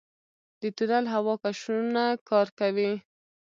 د تونل هوا کشونه کار کوي؟